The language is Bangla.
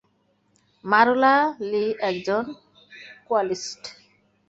মারুলা, লি একজন কোয়ালিস্ট।